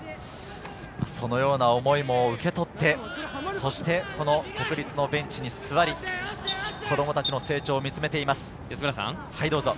そのような思いも受け取って、国立のベンチに座り、子供たちの成長を見つめています。